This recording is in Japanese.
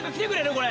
これ。